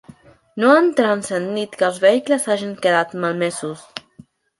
No han transcendit que els vehicles hagin quedat malmesos.